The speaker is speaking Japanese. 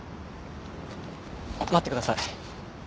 待ってください。